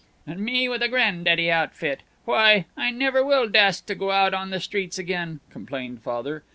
"And me with a granddaddy outfit! Why, I never will dast to go out on the streets again," complained Father.